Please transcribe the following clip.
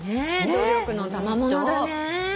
努力のたまものだね。